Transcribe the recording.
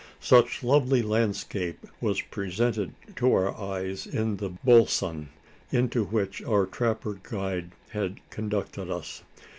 Such lovely landscape was presented to our eyes in the "bolson" into which our trapper guide had conducted us.